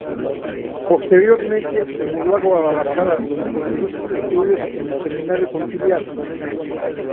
Posteriormente, se mudó a Guadalajara donde continuó sus estudios en el Seminario Conciliar.